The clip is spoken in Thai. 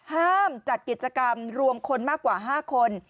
ห้ามจัดกิจกรรมรวมคนมากกว่า๕คน